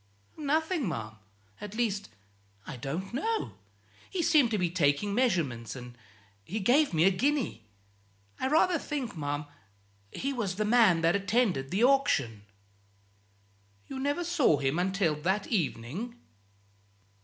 "Nothing, ma'am at least, I don't know. He seemed to be taking measurements, and he gave me a guinea. I rather think, ma'am, he was the man that attended the auction." "You never saw him until that evening?"